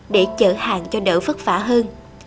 để chở hàng cho nở vất vả hơn